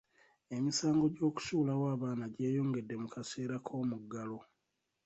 Emisango gy'okusuulawo abaana gyeyongedde mu kaseera k'omuggalo.